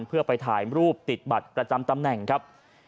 เพื่อไปถ่ายรูปติดบัตรประจำตำแหน่งครับ